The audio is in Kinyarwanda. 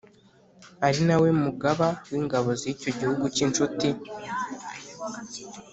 ari na we mugaba w'ingabo z'icyo gihugu cy'inshuti.